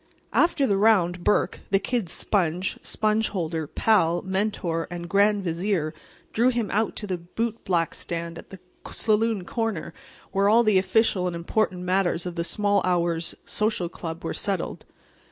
After the round Burke, the "Kid's" sponge, sponge holder, pal, Mentor and Grand Vizier, drew him out to the bootblack stand at the saloon corner where all the official and important matters of the Small Hours Social Club were settled.